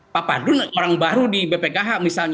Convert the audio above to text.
pak padun orang baru di bpkh misalnya